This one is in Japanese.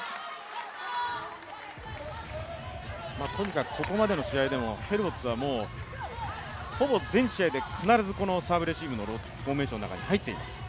とにかく、ここまでの試合でもヘルボッツはほぼ全試合で必ずこのサーブレシーブのフォーメーションの中に入っています。